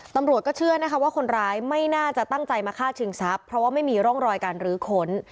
ตำรวจก็เชื่อนะคะว่าคนร้ายไม่น่าจะตั้งใจมาฆ่าชิงทรัพย์เพราะว่าไม่มีร่องรอยการรื้อค้น